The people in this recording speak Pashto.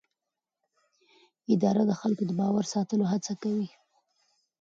اداره د خلکو د باور ساتلو هڅه کوي.